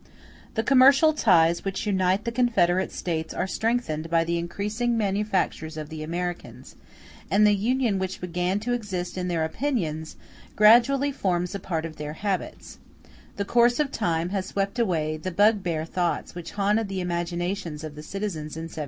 The commercial ties which unite the confederate States are strengthened by the increasing manufactures of the Americans; and the union which began to exist in their opinions, gradually forms a part of their habits: the course of time has swept away the bugbear thoughts which haunted the imaginations of the citizens in 1789.